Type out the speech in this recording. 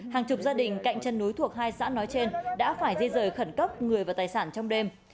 hàng chục gia đình cạnh chân núi thuộc hai xã nói trên đã phải di rời khẩn cấp người và tài sản trong đêm